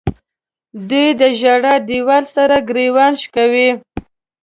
دوی د ژړا دیوال سره ګریوان شکوي.